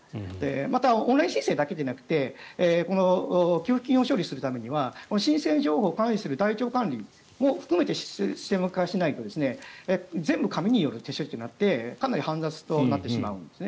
またオンライン申請だけではなくて給付金を処理するためには申請情報を管理する台帳管理も含めてシステム化しないと全部、紙による手処理となってかなり煩雑となってしまうんです。